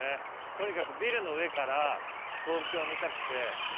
とにかくビルの上から東京を見たくて。